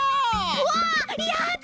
うわやった！